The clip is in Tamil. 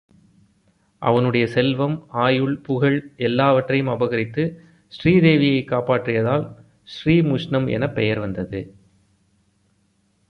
அவனுடைய செல்வம், ஆயுள், புகழ் எல்லாவற்றையும் அபகரித்து ஸ்ரீதேவியைக் காப்பாற்றியதால் ஸ்ரீமுஷ்ணம் எனப் பெயர் வந்தது என்கிறார்கள்.